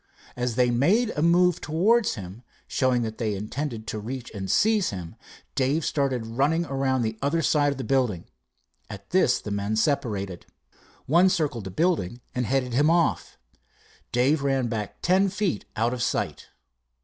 As they made a move towards him, showing that they intended to reach and seize him, Dave started running around the other side of the building. At this the men separated. One circled the building and headed him off. Dave ran back ten feet out of sight.